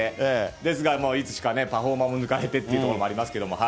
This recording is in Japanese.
ですがいつしかね、パフォーマーも抜かれてってこともありますけど。